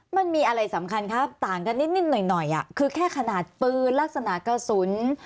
มันมีอะไรสำคัญครับต่างกันนิดหน่อยหน่อยคือแค่ขนาดปืนลักษณะกระสุน